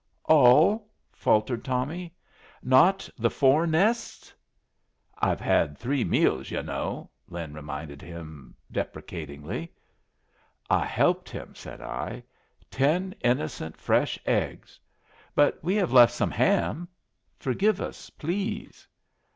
"All?" faltered Tommy. "Not the four nests?" "I've had three meals, yu' know," Lin reminded him, deprecatingly. "I helped him," said I. "Ten innocent, fresh eggs. But we have left some ham. Forgive us, please."